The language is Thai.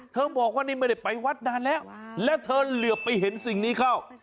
บอกว่านี่ไม่ได้ไปวัดนานแล้วแล้วเธอเหลือไปเห็นสิ่งนี้เข้า